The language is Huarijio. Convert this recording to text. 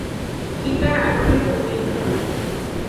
Kitararúne muuní.